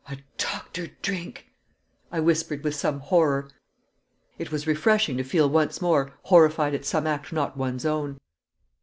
"A doctored drink!" I whispered with some horror; it was refreshing to feel once more horrified at some act not one's own.